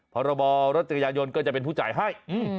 พรบรรตยานยนต์ก็จะเป็นผู้จ่ายให้